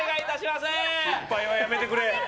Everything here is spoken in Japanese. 失敗はやめてくれ。